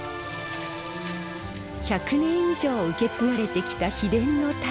１００年以上受け継がれてきた秘伝のタレ。